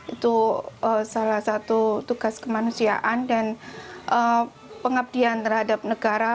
itu salah satu tugas kemanusiaan dan pengabdian terhadap negara